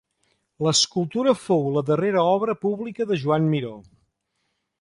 L'escultura fou la darrera obra pública de Joan Miró.